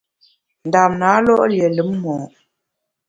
Ndam na lo’ lié lùm mo’.